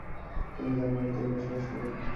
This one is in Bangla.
তিনি জার্মানিতেই বসবাস করেন।